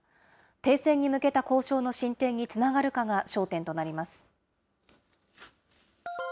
停戦に向けた交渉の進展につながるかが焦点になります。